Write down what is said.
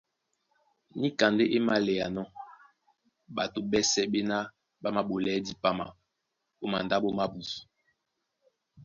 Níka ndé é máléanɔ́ ɓato ɓɛ́sɛ̄ ɓéná ɓá māɓolɛɛ́ dipama ó mandáɓo mábū;